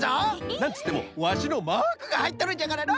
なんつってもワシのマークがはいっとるんじゃからな。